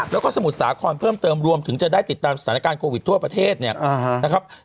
แล้วก็สมุทรสาครเพิ่มเติมรวมถึงจะได้ติดตามสถานการณ์โควิดทั่วประเทศเนี่ยนะครับ